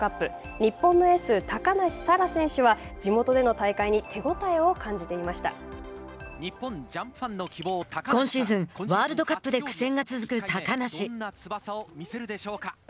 日本のエース高梨沙羅選手は地元での大会に今シーズンワールドカップで苦戦が続く高梨。